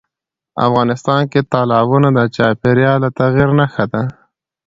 افغانستان کې تالابونه د چاپېریال د تغیر نښه ده.